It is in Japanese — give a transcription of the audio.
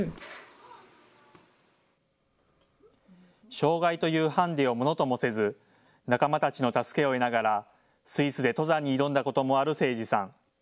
障害というハンデをものともせず仲間たちの助けを得ながらスイスで登山に挑んだこともある清司さん。